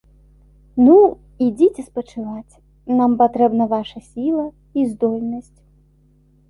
Ну, ідзіце спачываць, нам патрэбна ваша сіла і здольнасць.